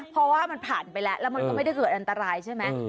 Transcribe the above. เพราะว่ามันผ่านไปแล้วแล้วมันก็ไม่ได้เกิดอันตรายใช่ไหม